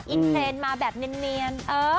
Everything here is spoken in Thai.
อินเทรนด์มาแบบเนียน